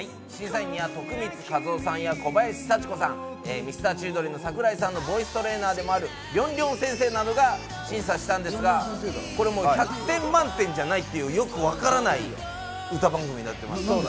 審査員には徳光和夫さんや小林幸子さん、Ｍｒ．Ｃｈｉｌｄｒｅｎの桜井さんのボイストレーナーでもあるりょんりょん先生などが審査したんですが、これもう１００点満点じゃない？っていう、よくわからない歌番組です。